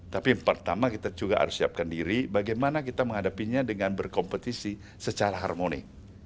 tapi pertama kita juga harus siapkan diri bagaimana kita menghadapinya dengan berkompetisi secara harmoni